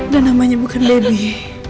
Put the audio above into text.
dan namanya bukan baby